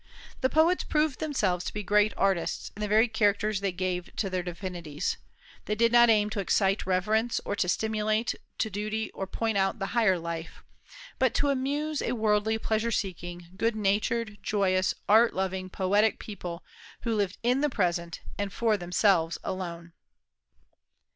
The poets proved themselves to be great artists in the very characters they gave to their divinities. They did not aim to excite reverence or stimulate to duty or point out the higher life, but to amuse a worldly, pleasure seeking, good natured, joyous, art loving, poetic people, who lived in the present and for themselves alone.